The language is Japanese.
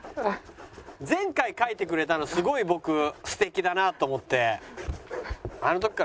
前回描いてくれたのすごい僕素敵だなと思って。